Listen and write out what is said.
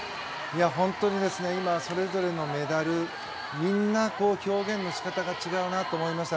本当に今、それぞれのメダルみんな、表現の仕方が違うなと思いました。